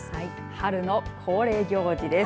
春の恒例行事です。